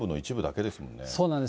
そうなんです。